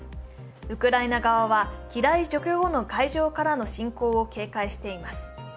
ウクライナ側は、機雷除去後の海洋からの侵攻を警戒しています。